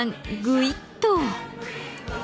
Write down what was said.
ぐいっと。